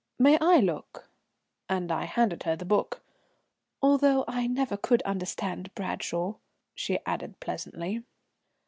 "May I look?" and I handed her the book, "although I never could understand Bradshaw," she added pleasantly.